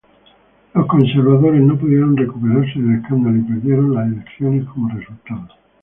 Los conservadores no pudieron recuperarse del escándalo y perdieron las elecciones como resultado.